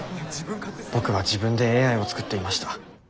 僕は自分でＡＩを作っていました。